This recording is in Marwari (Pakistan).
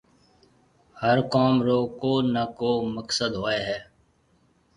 هر ڪوم رو ڪو نا ڪو مقسد هوئي هيَ۔